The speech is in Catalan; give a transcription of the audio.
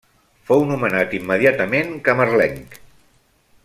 Fou nomenat immediatament camarlenc.